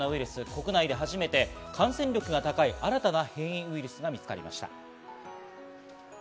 国内で初めて感染力が高い新たな変異ウイルスが見つかりました。